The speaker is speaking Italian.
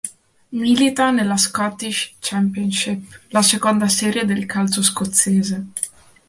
Milita nella Scottish Championship, la seconda serie del calcio scozzese.